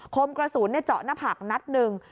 คมกระสุนเจาะหน้าผากนัดหนึ่ง